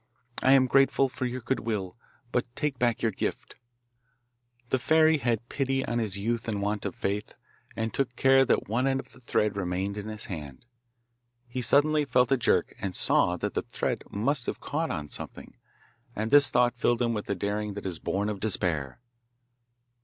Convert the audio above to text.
I am grateful for your goodwill, but take back your gift!' The fairy had pity on his youth and want of faith, and took care that one end of the thread remained in his hand. He suddenly felt a jerk, and saw that the thread must have caught on something, and this thought filled him with the daring that is born of despair.